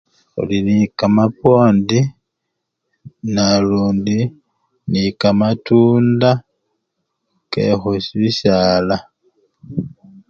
Khuli nekamapwondi nalundi nende kamatunda kekhu! si! bisala.